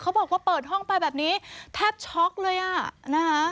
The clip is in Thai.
บอกว่าเปิดห้องไปแบบนี้แทบช็อกเลยอ่ะนะคะ